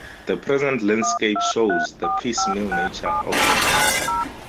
The present landscape shows the piecemeal nature of the mining.